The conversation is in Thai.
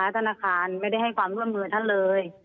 ธนาคารไม่ได้ให้ความร่วมมือท่านเลย